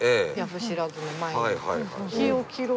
藪知らずの前に。